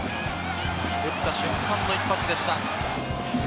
打った瞬間の一発でした。